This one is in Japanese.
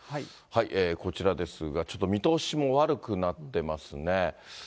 こちらですが、ちょっと見通しも悪くなってますね。